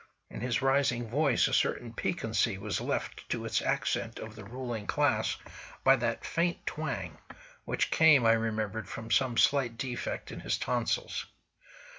In his rising voice a certain piquancy was left to its accent of the ruling class by that faint twang, which came, I remembered, from some slight defect in his tonsils.